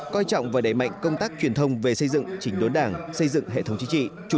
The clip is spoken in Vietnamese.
coi trọng và đẩy mạnh công tác truyền thông về xây dựng chỉnh đốn đảng xây dựng hệ thống chính trị